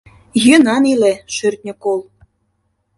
«Йӧнан иле, шӧртньӧ кол!